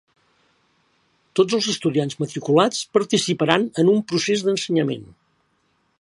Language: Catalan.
Tots els estudiants matriculats participaran en un procés d'ensenyament.